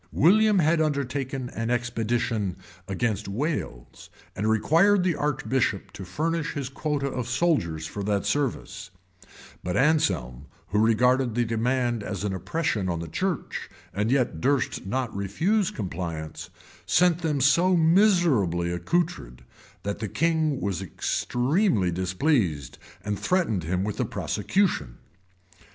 William had undertaken an expedition against Wales, and required the archbishop to furnish his quota of soldiers for that service, but Anselm, who regarded the demand as an oppression on the church, and yet durst not refuse compliance, sent them so miserably accoutred, that the king was extremely displeased, and threatened him with a prosecution.